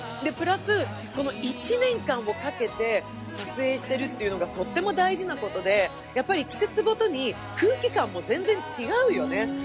プラス、１年間をかけて撮影してるっていうのがとっても大事なことで、季節ごとに空気感も全然違うよね。